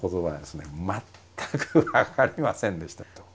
全く分かりませんでした。